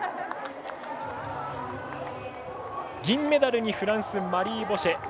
銀メダルにフランスのマリー・ボシェ。